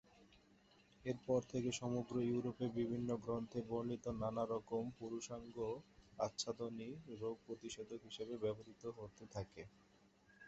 এর পর থেকে সমগ্র ইউরোপে বিভিন্ন গ্রন্থে বর্ণিত নানা রকম পুরুষাঙ্গ-আচ্ছাদনী রোগ প্রতিষেধক হিসেবে ব্যবহৃত হতে থাকে।